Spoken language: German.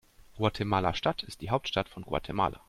Guatemala-Stadt ist die Hauptstadt von Guatemala.